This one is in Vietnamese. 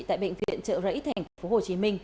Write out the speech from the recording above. tại bệnh viện trợ rẫy thành phố hồ chí minh